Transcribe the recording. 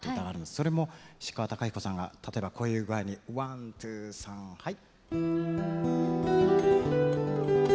それも石川鷹彦さんが例えばこういう具合に「ワンツーさんはい」。